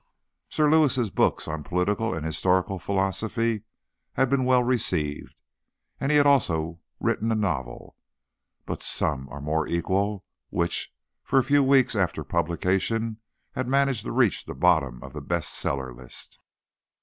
Sir Lewis' books on political and historical philosophy had been well received, and he had also written a novel, But Some Are More Equal, which, for a few weeks after publication, had managed to reach the bottom of the best seller list.